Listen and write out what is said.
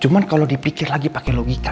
cuman kalau dipikir lagi pake logika